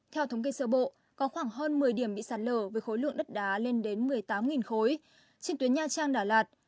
theo thống kê sở bộ có khoảng hơn một mươi điểm bị sạt lở với khối lượng đất đá lên đến một mươi tám khối trên tuyến nha trang đà lạt